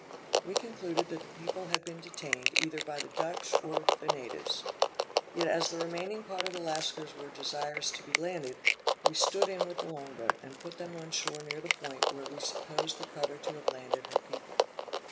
We concluded that the people had been detained either by the Dutch or the natives. Yet as the remaining part of the Lascars were desirous to be landed, we stood in with the long boat, and put them on shore near the point where we supposed the cutter to have landed her people.